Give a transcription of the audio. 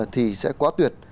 thì sẽ quá tuyệt